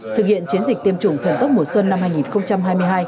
thực hiện chiến dịch tiêm chủng thần tốc mùa xuân năm hai nghìn hai mươi hai